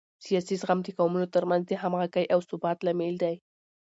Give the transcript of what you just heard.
سیاسي زغم د قومونو ترمنځ د همغږۍ او ثبات لامل دی